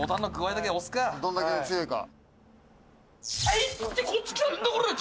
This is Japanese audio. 「どんだけ強いか」